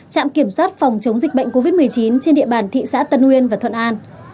trạm kiểm soát phòng chống dịch bệnh covid một mươi chín trên địa bàn thị xã tân uyên và thuận an